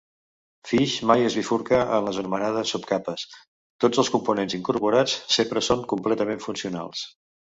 Fish mai es bifurca en les anomenades subcapes; tots els components incorporats sempre són completament funcionals.